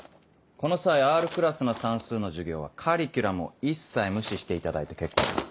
この際Ｒクラスの算数の授業はカリキュラムを一切無視していただいて結構です。